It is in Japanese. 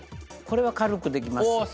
これは軽くできます。